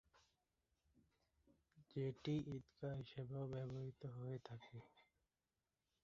যেটি ঈদগাহ হিসেবেও ব্যবহৃত হয়ে থাকে।